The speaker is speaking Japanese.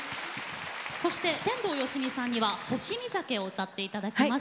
そして天童よしみさんには「星見酒」を歌っていただきます。